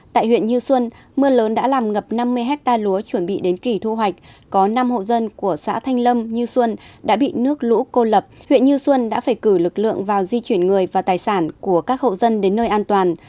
tại huyện như xuân mưa lớn đã làm ngập năm mươi hectare lúa chuẩn bị đến kỳ thu hoạch có năm hộ dân của xã thanh lâm như xuân đã bị nước lũ cô lập huyện như xuân đã phải cử lực lượng vào di chuyển người và tài sản của các hộ dân đến nơi an toàn